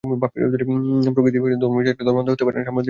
প্রকৃত ধর্ম বিশ্বাসীরা ধর্মান্ধ হতে পারে না, সাম্প্রদায়িক হতে পারে না।